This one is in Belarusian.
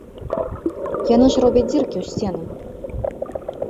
Яны ж робяць дзіркі ў сценах!